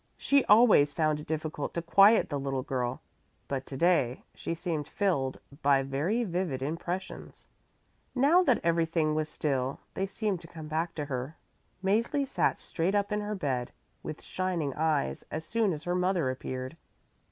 She always found it difficult to quiet the little girl, but to day she seemed filled by very vivid impressions. Now that everything was still, they seemed to come back to her. Mäzli sat straight up in her bed with shining eyes as soon as her mother appeared.